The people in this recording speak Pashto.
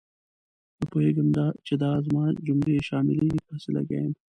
نه پوهېږم چې دا زما جملې شاملېږي که هسې لګیا یم.